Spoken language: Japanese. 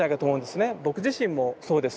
僕自身もそうです。